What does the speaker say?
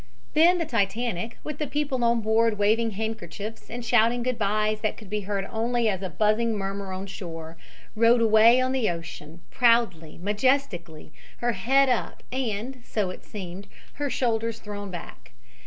Then the Titanic, with the people on board waving handkerchiefs and shouting good byes that could be heard only as a buzzing murmur on shore, rode away on the ocean, proudly, majestically, her head up and, so it seemed, her shoulders thrown back.